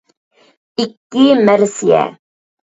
ئىككى مەرسىيە